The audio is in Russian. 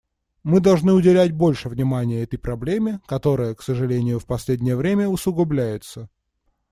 Мы должны уделять больше внимания этой проблеме, которая, к сожалению, в последнее время усугубляется.